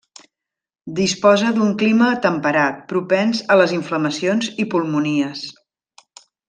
Disposa d'un clima temperat, propens a les inflamacions i pulmonies.